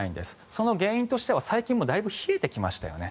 その原因としては最近もうだいぶ冷えてきましたよね。